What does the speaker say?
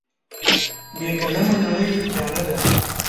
بې قلمه نړۍ تیاره ده.